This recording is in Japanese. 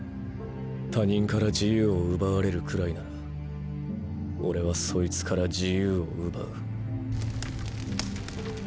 他人から自由を奪われるくらいならオレはそいつから自由を奪う。